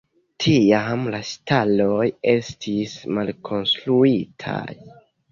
Tiam la staloj estis malkonstruitaj.